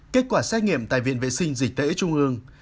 kết quả xét nghiệm tại viện vệ sinh dịch tễ trung ương